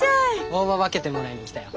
大葉分けてもらいに来たよ。